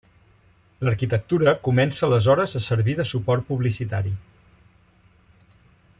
L'arquitectura comença aleshores a servir de suport publicitari.